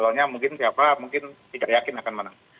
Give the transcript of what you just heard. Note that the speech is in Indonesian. makanya mungkin tiapa mungkin tidak yakin akan menang